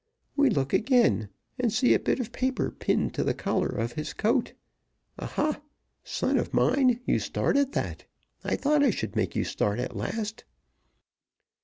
We look again, and see a bit of paper pinned to the collar of his coat. Aha! son of mine, you start at that. I thought I should make you start at last."